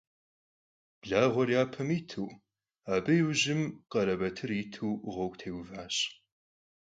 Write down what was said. Blağuer yapem yitu, abı yi vujım Kharebatır yitu ğuegu têuvaş.